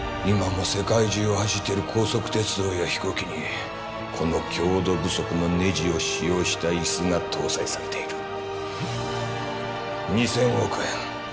今も世界中を走っている高速鉄道や飛行機にこの強度不足のネジを使用した椅子が搭載されている２０００億円